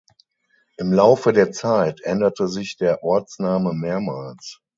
Im Laufe der Zeit änderte sich der Ortsname mehrmals.